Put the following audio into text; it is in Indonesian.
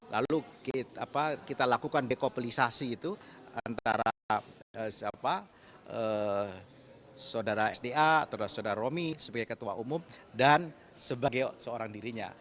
lalu kita lakukan dekopolisasi itu antara saudara sda atau saudara romi sebagai ketua umum dan sebagai seorang dirinya